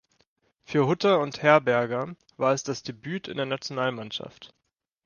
Für Hutter und Herberger war es das Debüt in der Nationalmannschaft.